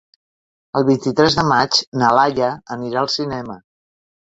El vint-i-tres de maig na Laia anirà al cinema.